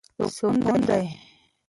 سکون دی.